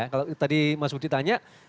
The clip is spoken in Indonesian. kalau tadi mas budi tanya